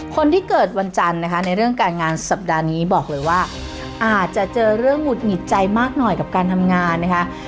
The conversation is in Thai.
คนที่เกิดวันจันทร์นะคะในเรื่องการงานสัปดาห์นี้บอกเลยว่าอาจจะเจอเรื่องหงุดหงิดใจมากหน่อยกับการทำงานนะคะ